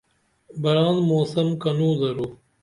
بران موسم کنو درو؟